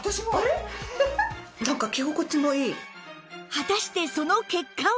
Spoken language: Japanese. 果たしてその結果は？